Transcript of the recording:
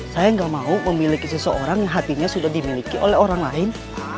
saya nggak mau memiliki seseorang hatinya sudah dimiliki oleh orang lain